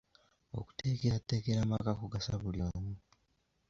Okuteekerateekera amaka kugasa buli omu.